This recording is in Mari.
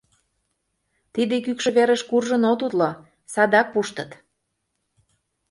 Тиде кӱкшӧ верыш куржын от утло, садак пуштыт.